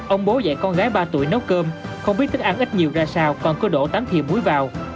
ông bố dạy con gái ba tuổi nấu cơm không biết thức ăn ít nhiều ra sao còn có đổ tám thiều muối vào